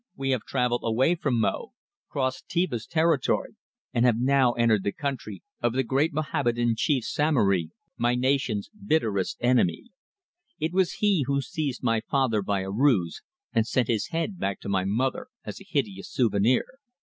"We have travelled away from Mo, crossed Tieba's territory, and have now entered the country of the great Mohammedan chief Samory, my nation's bitterest enemy. It was he who seized my father by a ruse and sent his head back to my mother as a hideous souvenir."